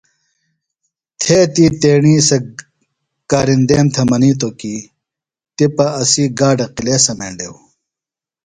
تھے تی تیݨی سےۡ کارِندیم تھےۡ منِیتوۡ کی تِپہ اسی گاڈوۡ قِلا سمینڈیوۡ